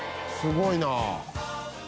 すごいな！